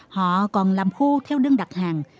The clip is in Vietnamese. họ còn làm khô theo đơn đặt hàng